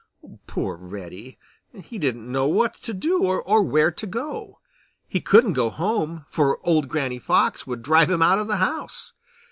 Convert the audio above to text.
Poor Reddy! He didn't know what to do or where to go. He couldn't go home, for old Granny Fox would drive him out of the house.